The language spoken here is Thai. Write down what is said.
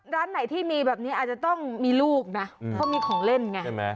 ร้านไหนที่มีแบบนี้อาจจะต้องมีลูกนะเพราะมีของเล่นไงใช่ไหม